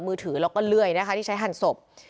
มือถือแล้วก็เลื่อยนะคะที่ใช้หั่นศพ